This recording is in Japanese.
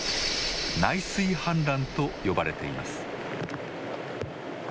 内水氾濫と呼ばれています。